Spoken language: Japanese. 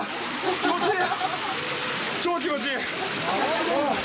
気持ちいい。